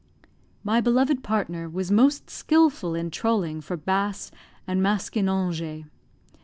My beloved partner was most skilful in trolling for bass and muskinonge.